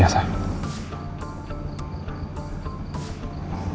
udah usah ngelanjut